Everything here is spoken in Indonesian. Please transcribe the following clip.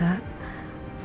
mama tau so